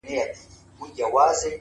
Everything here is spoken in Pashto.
خپل ژوند د ګټورو اغېزو نښه وګرځوئ’